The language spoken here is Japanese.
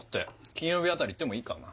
金曜日あたり行ってもいいかな？